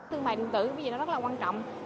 thương mại điện tử bây giờ nó rất là quan trọng